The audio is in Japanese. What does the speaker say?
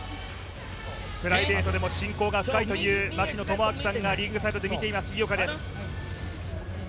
プライベートでも親交が深い槙野智章さんがリングサイドで見ています。